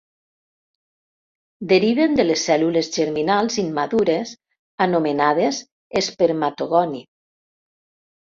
Deriven de les cèl·lules germinals immadures anomenades espermatogoni.